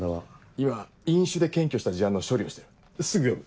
今飲酒で検挙した事案の処理をしてるすぐ呼ぶ。